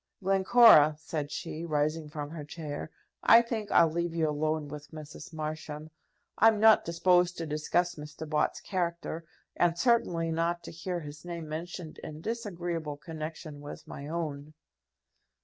"Glencora," said she, rising from her chair, "I think I'll leave you alone with Mrs. Marsham. I'm not disposed to discuss Mr. Bott's character, and certainly not to hear his name mentioned in disagreeable connection with my own."